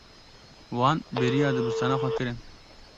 Wan bêriya dibistana xwe kirin.